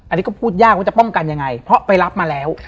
อันนี้ก็พูดยากว่าจะป้องกันยังไงเพราะไปรับมาแล้ว